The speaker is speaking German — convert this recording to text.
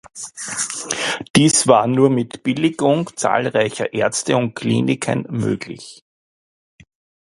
Dies war nur mit Billigung zahlreicher Ärzte und Kliniken möglich.